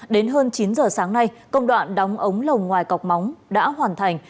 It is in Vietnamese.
đến hơn chín giờ sáng nay công đoạn đóng ống lầu ngoài cọc móng đã hoàn thành